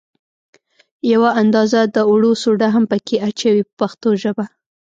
یوه اندازه د اوړو سوډا هم په کې اچوي په پښتو ژبه.